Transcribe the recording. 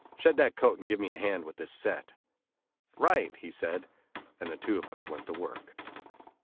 Shed that coat, and give me a hand with this set." "Right," he said, and the two of us went to work.